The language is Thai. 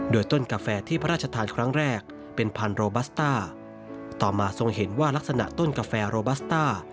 โดยต้นกาแฟที่พระราชทานครั้งแรกเป็นพันโรบัสต้าต่อมาทรงเห็นว่าลักษณะต้นกาแฟโรบัสต้า